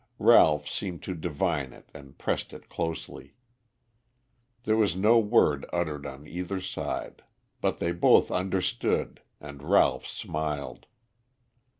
Ralph seemed to divine it and pressed it closely. There was no word uttered on either side. But they both understood and Ralph smiled.